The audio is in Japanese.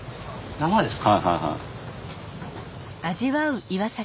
生ですか？